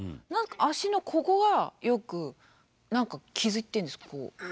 何か足のここがよく何か傷いってんですこう。